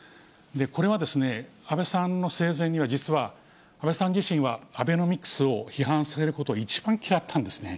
これは安倍さんの生前には実は安倍さん自身はアベノミクスを批判されることを、一番嫌ったんですね。